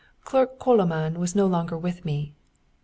Clerk Coloman was no longer with me.